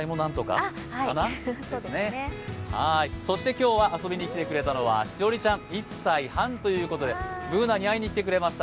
今日は遊びにきてくれたのは、しおりちゃん１歳半ということでＢｏｏｎａに会いに来てくれました。